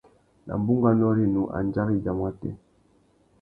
Nà bunganô rinú, andjara i biamú atê?